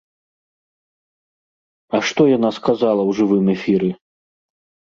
А што яна сказала ў жывым эфіры?